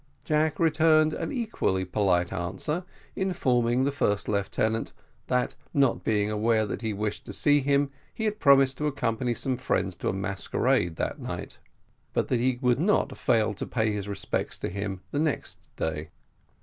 Jack returned an equally polite answer, informing the first lieutenant that not being aware that he wished to see him, he had promised to accompany some friends to a masquerade that night, but that he would not fail to pay his respects to him the next day.